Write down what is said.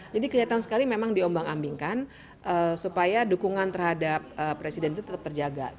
jadi kelihatan sekali memang diombang ambingkan supaya dukungan terhadap presiden itu tetap terjaga